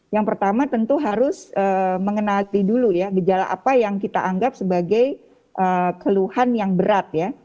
yang pertama tentu harus mengenali dulu ya gejala apa yang kita anggap sebagai keluhan yang berat ya